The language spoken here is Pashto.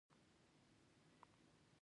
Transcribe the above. د افغانستان دوستان څوک دي؟